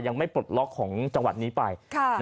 ยังไม่ปลดล็อกของจังหวัดนี้ไป